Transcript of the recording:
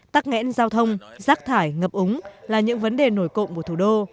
tắc nghẽn giao thông rác thải ngập úng là những vấn đề nổi cộng của thủ đô